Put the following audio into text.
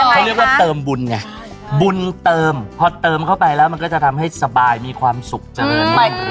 เขาเรียกว่าเติมบุญไงบุญเติมพอเติมเข้าไปแล้วมันก็จะทำให้สบายมีความสุขเจริญมั่น